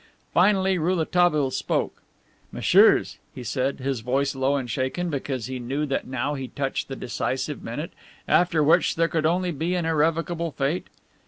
Finally, Rouletabille spoke: "Messieurs," said he, his voice low and shaken, because he knew that now he touched the decisive minute, after which there could only be an irrevocable fate.